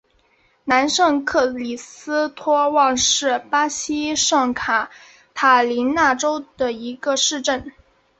南圣克里斯托旺是巴西圣卡塔琳娜州的一个市镇。